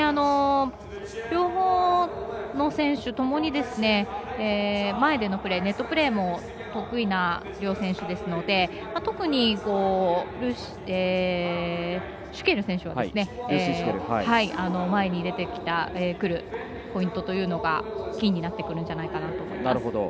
両方の選手ともに前でのプレーネットプレーも得意な両選手ですので特にシュケル選手は前に出てくるポイントというのがキーになってくるんじゃないかと思います。